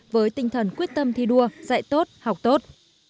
với tinh thần quyết tâm thi đua dạy tốt học tốt